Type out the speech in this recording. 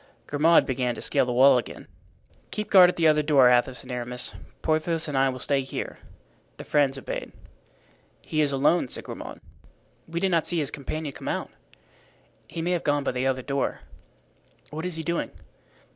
Grimaud began to scale the wall again. "Keep guard at the other door, Athos and Aramis. Porthos and I will stay here." The friends obeyed. "He is alone," said Grimaud. "We did not see his companion come out." "He may have gone by the other door." "What is he doing?"